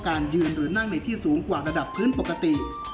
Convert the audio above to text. การยืนหรือนั่งในที่สูงกว่าระดับพื้นปกติ